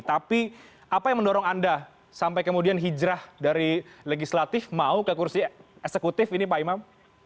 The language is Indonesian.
tapi apa yang mendorong anda sampai kemudian hijrah dari legislatif mau ke kursi eksekutif ini pak imam